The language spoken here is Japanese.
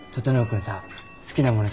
君さ好きなもの